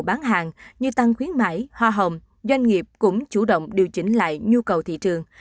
bán hàng như tăng khuyến mãi hoa hồng doanh nghiệp cũng chủ động điều chỉnh lại nhu cầu thị trường